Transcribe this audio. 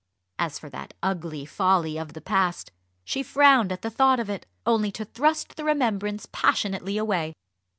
As for that ugly folly of the past, she frowned at the thought of it, only to thrust the remembrance passionately away.